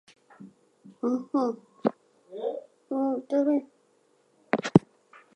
Sherman's army stretched in an inverted U around the northern defenses of Atlanta.